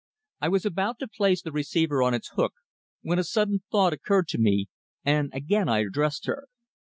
I was about to place the receiver on its hook when a sudden thought occurred to me, and again I addressed her.